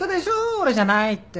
俺じゃないって。